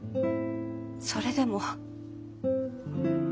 それでも。